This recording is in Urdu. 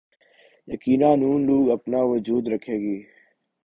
یقینا نون لیگ اپنا وجود رکھے گی۔